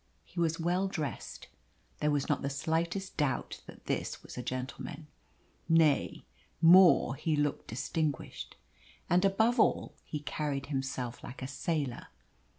He was well dressed. There was not the slightest doubt that this was a gentleman. Nay, more, he looked distinguished. And above all, he carried himself like a sailor.